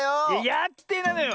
やってないのよ！